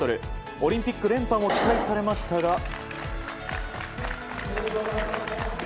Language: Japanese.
オリンピック連覇も期待されましたが。